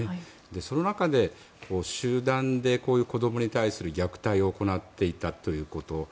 その中で集団でこういう子どもに対する虐待を行っていたということ